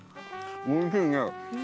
おいしいね。